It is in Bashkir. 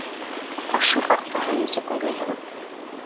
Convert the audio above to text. Ошо хаҡта һеҙ нисек уйлайһығыҙ?